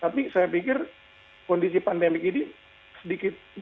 tapi saya pikir kondisi pandemik ini sedikit berpengaruh